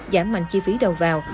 giảm mạnh chi phí đầu vào